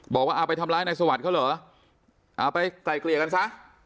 บอกว่าเอาไปทำร้ายนายสวัสดิ์เขาเหรอเอาไปไกล่เกลี่ยกันซะ